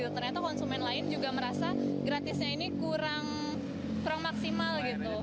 ternyata konsumen lain juga merasa gratisnya ini kurang maksimal gitu